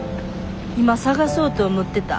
「今探そうと思ってた。